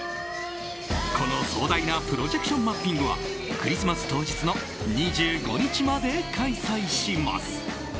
この壮大なプロジェクションマッピングはクリスマス当日の２５日まで開催します。